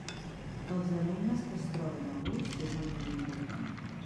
Que els alumnes que es troben a gust és el més important.